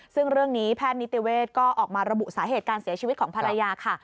ซึ่งเรื่องนี้แพทย์นิติเวศก็ออกมาระบุสาเหตุการเสียชีวิตของภรรยาค่ะ